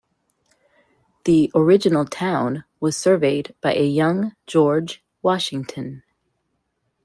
The original town was surveyed by a young George Washington.